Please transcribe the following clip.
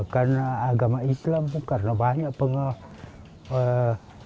karena agama islam karena banyak pengelola